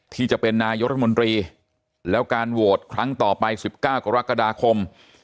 ที่จะเป็นนายกรัฐมนตรีแล้วการโหวตครั้งต่อไป๑๙กรกฎาคม